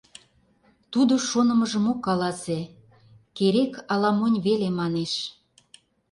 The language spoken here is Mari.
Тудо шонымыжым ок каласе, керек, ала монь веле манеш.